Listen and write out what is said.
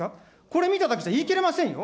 これ見ただけじゃ言い切れませんよ。